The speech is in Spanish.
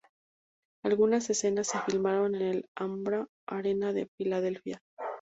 Algunas escenas se filmaron en el Alhambra Arena de Philadelphia.